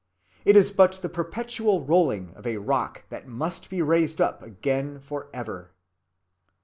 It is but the perpetual rolling of a rock that must be raised up again forever."